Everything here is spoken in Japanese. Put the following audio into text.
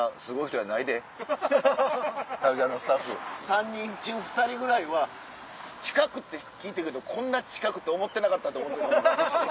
３人中２人ぐらいは近くって聞いてるけどこんな近くって思ってなかったと思ってるかも分からんし。